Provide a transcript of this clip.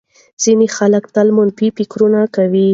ځینې خلک تل منفي فکر کوي.